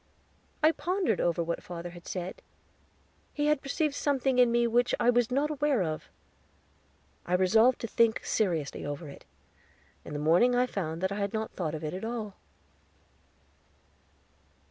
I pondered over what father had said; he had perceived something in me which I was not aware of. I resolved to think seriously over it; in the morning I found I had not thought of it at all.